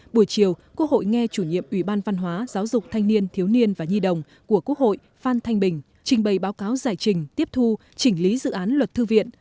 buổi chiều quốc hội nghe chủ nhiệm ủy ban văn hóa giáo dục thanh niên thiếu niên và nhi đồng của quốc hội phan thanh bình trình bày báo cáo giải trình tiếp thu chỉnh lý dự án luật thư viện